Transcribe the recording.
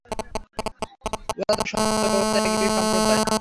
ওরা তো সত্যত্যাগী সম্প্রদায়।